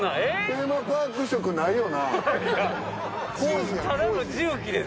テーマパーク色ないよな。